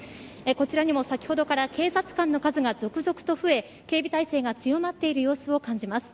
こちらにも先ほどから警察官の数が続々と増え警備態勢が強まっている様子を感じます。